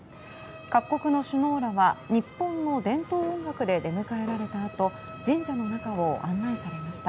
各国の首脳らは、日本の伝統音楽で出迎えられたあと神社の中を案内されました。